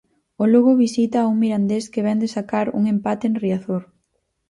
O Lugo visita a un Mirandés que vén de sacar un empate en Riazor.